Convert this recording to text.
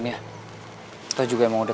gak apa apa tuh